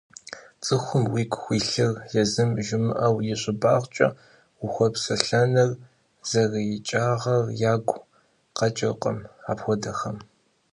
ЦӀыхум уигу хуилъыр езым жумыӀэу, и щӀыбагъкӀэ ухуэпсэлъэныр зэрыикӀагъэр ягу къэкӀыркъым апхуэдэхэм.